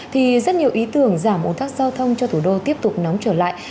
thì rất nhiều ý tưởng giảm ồn tắc giao thông cho thủ đô tiếp tục nóng trở lại